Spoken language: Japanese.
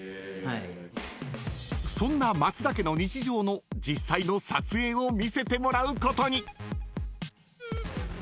［そんなマツダ家の日常の実際の撮影を見せてもらうことに］